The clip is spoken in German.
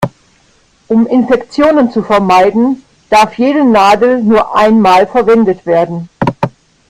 Um Infektionen zu vermeiden, darf jede Nadel nur einmal verwendet werden.